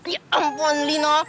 ya ampun lino